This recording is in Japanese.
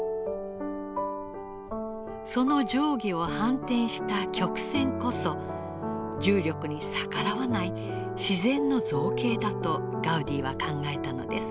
その上下を反転した曲線こそ重力に逆らわない自然の造形だとガウディは考えたのです。